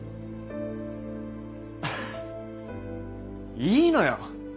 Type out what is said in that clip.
いいのよ。